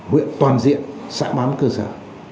huyện toàn diện xã bám cơ sở